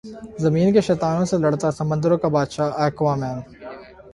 زمین کے شیطانوں سے لڑتا سمندروں کا بادشاہ ایکوامین